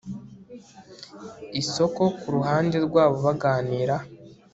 Isoko kuruhande rwabo baganira